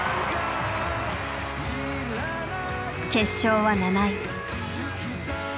決勝は７位。